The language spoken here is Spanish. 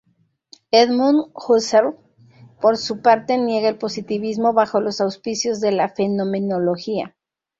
Edmund Husserl, por su parte, niega el positivismo bajo los auspicios de la fenomenología.